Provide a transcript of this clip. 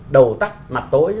đầu tắt mặt tối